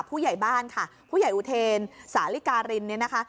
ผู้ใหญ่บ้านค่ะผู้ใหญ่อุเทนสาลิการินเนี่ยนะคะ